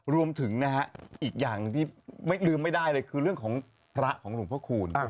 รวมถึงนะฮะอีกอย่างที่ไม่ลืมไม่ได้เลยคือเรื่องของพระของหลวงพ่อคูณ